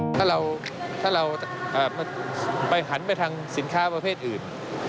ถ้าเราไปหันไปทางสินค้าประเภทอื่น